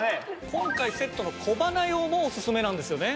今回セットの小鼻用もおすすめなんですよね。